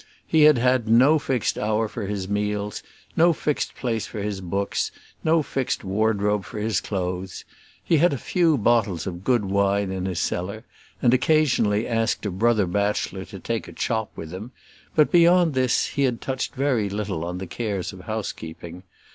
He had had no fixed hour for his meals, no fixed place for his books, no fixed wardrobe for his clothes. He had a few bottles of good wine in his cellar, and occasionally asked a brother bachelor to take a chop with him; but beyond this he had touched very little on the cares of housekeeping.